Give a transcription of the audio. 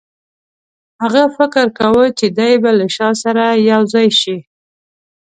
هغه فکر کاوه چې دی به له شاه سره یو ځای شي.